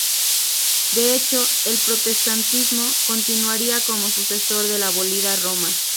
De hecho, el protestantismo continuaría como sucesor de la abolida Roma.